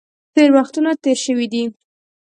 تېرې وختونه تېر شوي دي.